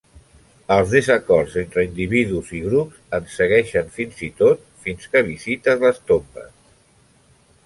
Els desacords entre individus i grups ens segueixen "fins i tot fins que visites les tombes".